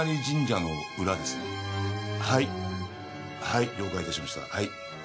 はい了解致しました。